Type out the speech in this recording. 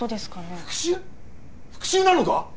復讐なのか？